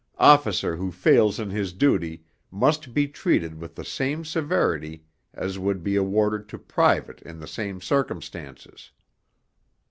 "Officer who fails in his duty must be treated with the same severity as would be awarded to private in the same circumstances."